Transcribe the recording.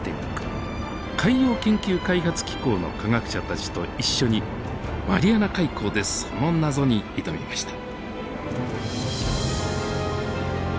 海洋研究開発機構の科学者たちと一緒にマリアナ海溝でその謎に挑みました。